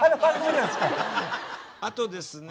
あとですね